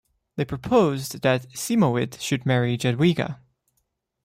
They proposed that Siemowit should marry Jadwiga.